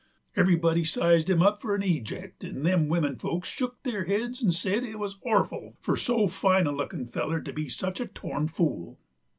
Everybody sized him up for a' eject, 'nd the wimmin folks shook their heads 'nd said it was orful fur so fine a lookin' feller to be such a torn fool.